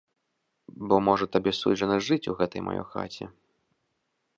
Бо можа табе суджана жыць у гэтай маёй хаце.